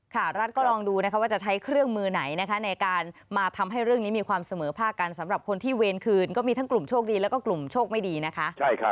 รัฐก็ลองดูนะคะว่าจะใช้เครื่องมือไหนนะคะในการมาทำให้เรื่องนี้มีความเสมอภาคกันสำหรับคนที่เวรคืนก็มีทั้งกลุ่มโชคดีแล้วก็กลุ่มโชคไม่ดีนะคะ